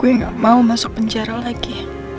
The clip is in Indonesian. gue gak mau masuk penjara lagi